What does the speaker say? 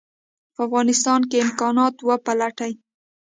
په افغانستان کې امکانات وپلټي.